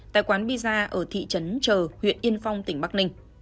tại quán bì ra ở thị trấn trờ huyện yên phong tỉnh bắc ninh